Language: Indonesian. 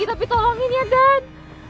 tapi tolongin ya dad